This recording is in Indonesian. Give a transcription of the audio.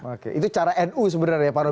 oke itu cara nu sebenarnya pak robikin